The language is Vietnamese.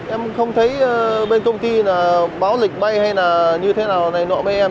em không thấy bên công ty là báo lịch bay hay là như thế nào này nọ bên em